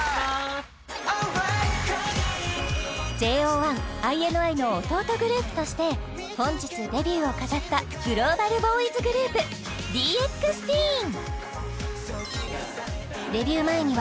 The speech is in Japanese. ＪＯ１・ＩＮＩの弟グループとして本日デビューを飾ったグローバルボーイズグループＤＸＴＥＥＮ